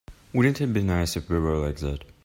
Wouldn't it be nice if we were like that?